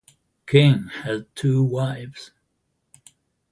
King had two wives.